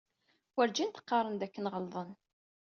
Werǧin d-qarren dakken ɣelḍen.